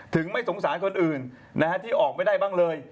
ไม่สงสารคนอื่นที่ออกไม่ได้บ้างเลย